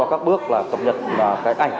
các bước là cập nhật cái ảnh